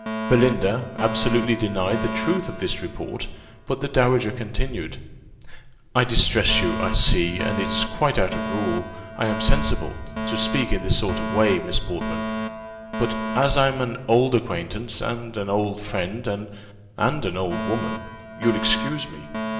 Belinda absolutely denied the truth of this report: but the dowager continued, "I distress you, I see, and it's quite out of rule, I am sensible, to speak in this sort of way, Miss Portman; but as I'm an old acquaintance, and an old friend, and an old woman, you'll excuse me.